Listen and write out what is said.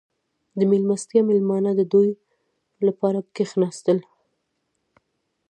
• د میلمستیا مېلمانه د ډوډۍ لپاره کښېناستل.